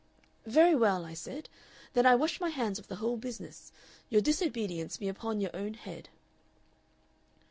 "'Very well,' I said, 'then I wash my hands of the whole business. Your disobedience be upon your own head.